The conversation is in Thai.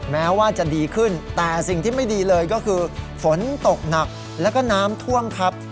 แม้ว่าจะดีขึ้นแต่สิ่งที่ไม่ดีเลยก็คือฝนตกหนักแล้วก็น้ำท่วมครับ